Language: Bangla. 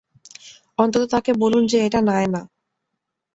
অন্তত তাকে বলুন যে এটা নায়না।